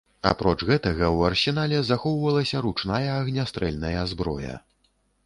Апроч гэтага ў арсенале захоўвалася ручная агнястрэльная зброя.